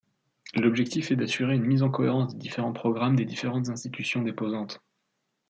L'objectif est d'assurer une mise en cohérence des différents programmes des différentes institutions déposantes.